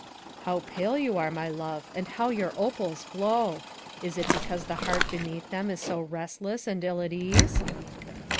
" How pale you are, my love, and how your opals glow. Is it because the heart beneath them is so restless and ill at ease?"